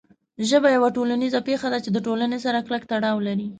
ژبه یوه ټولنیزه پېښه ده چې د ټولنې سره کلک تړاو لري.